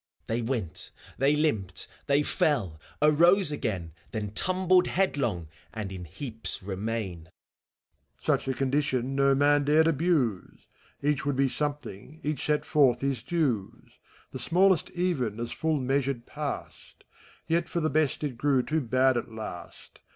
FAUST. They went, they limped, they fell, arose a^^ain, Then tumbled headlong, and in heaps reatain. MEPHISTOPHELES. Such a condition no man dared abuse. Each would be something, .each set forth hi* dues; The smallest even as full measured passed : Yet for the best it grew too bad at last.